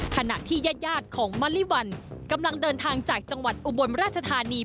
ขณะที่ญาติยาดของมะลิวันกำลังเดินทางจากจังหวัดอุบลราชธานี